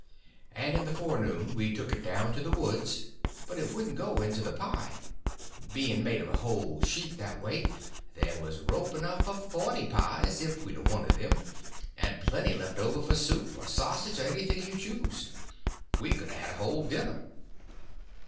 And in the forenoon we took it down to the woods, but it wouldn't go into the pie. Being made of a whole sheet, that way, there was rope enough for forty pies if we'd a wanted them, and plenty left over for soup, or sausage, or anything you choose. We could a had a whole dinner.